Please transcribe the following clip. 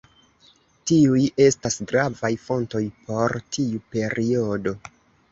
Tiuj estas gravaj fontoj por tiu periodo.